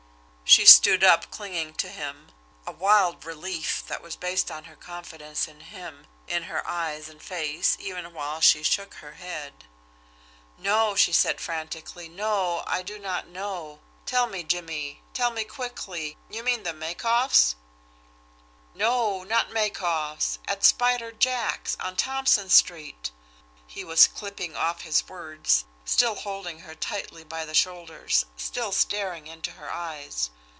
She stood up, clinging to him; a wild relief, that was based on her confidence in him, in her eyes and face, even while she shook her head. "No," she said frantically. "No I do not know. Tell me, Jimmie! Tell me quickly! You mean at Makoff's?" "No! Not Makoff's at Spider Jack's, on Thompson Street!" he was clipping off his words, still holding her tightly by the shoulders, still staring into her eyes.